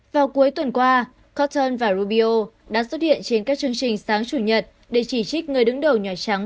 vào cuối tuần qua corton và rubio đã xuất hiện trên các chương trình sáng chủ nhật để chỉ trích người đứng đầu nhà trắng